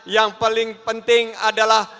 yang paling penting adalah